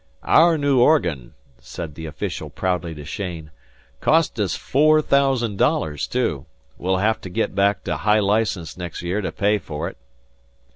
"Our new organ," said the official proudly to Cheyne. "Cost us four thousand dollars, too. We'll have to get back to high license next year to pay for it.